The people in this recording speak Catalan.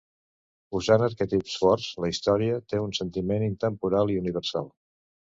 Usant arquetips forts, la història té un sentiment intemporal i universal.